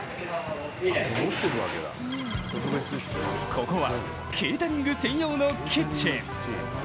ここはケータリング専用のキッチン。